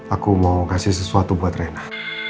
aku mau kasih sesuatu buat rena